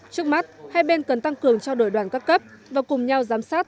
trước mắt hai bên cần tăng cường trao đổi đoàn các cấp và cùng nhau giám sát